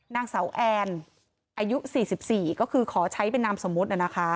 นางเสาแอนอายุ๔๔ก็คือขอใช้เป็นนามสมมุตินะคะ